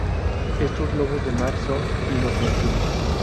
Estos lobos de mar son inofensivos.